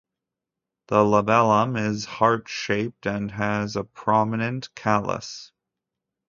The labellum is heart-shaped and has a prominent callus.